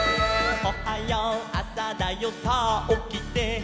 「おはようあさだよさあおきて」